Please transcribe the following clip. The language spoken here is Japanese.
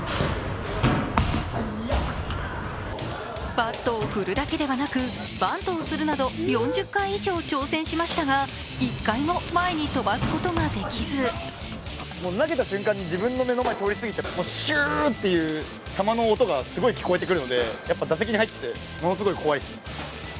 バットを振るだけでなくバントをするなど、４０回以上挑戦しましたが、１回も前に飛ばすことができず投げた瞬間に自分の目の前を通り過ぎる、しゅーっていつ球の音がすごい聞こえてくるので打席に入ってものすごい怖いです。